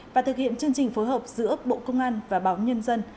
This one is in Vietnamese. và thực hiện chương trình phối hợp giữa bộ công an và báo nhân dân